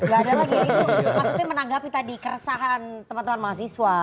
gak ada lagi ya itu maksudnya menanggapi tadi keresahan teman teman mahasiswa